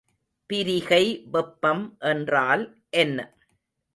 பிரிகை வெப்பம் என்றால் என்ன?